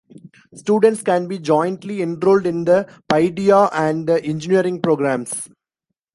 Students can be jointly enrolled in the Paideia and the Engineering programs.